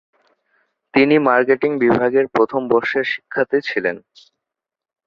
তিনি মার্কেটিং বিভাগের প্রথম ব্যাচের শিক্ষার্থী ছিলেন।